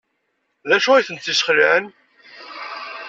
D acu ay ten-yesxelɛen?